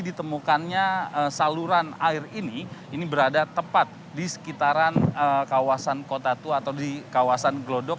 ditemukannya saluran air ini ini berada tepat di sekitaran kawasan kota tua atau di kawasan glodok